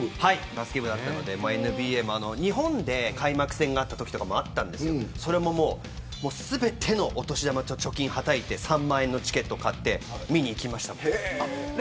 バスケ部だったのでＮＢＡも日本で開幕戦があったときがあったので全てのお年玉と貯金をはたいて３万円のチケットを買って見にいきました。